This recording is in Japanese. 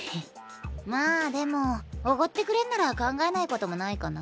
まあでもおごってくれんなら考えないこともないかな。